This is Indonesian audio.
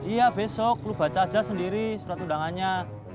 iya besok lu baca aja sendiri surat undangannya